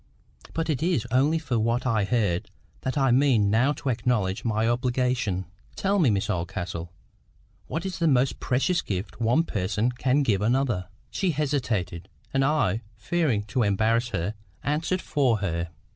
But it is only for what I heard that I mean now to acknowledge my obligation. Tell me, Miss Oldcastle,—what is the most precious gift one person can give another?" She hesitated; and I, fearing to embarrass her, answered for her.